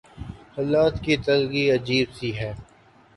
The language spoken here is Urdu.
حالات کی تلخی عجیب شے ہے۔